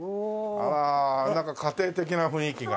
あらなんか家庭的な雰囲気が。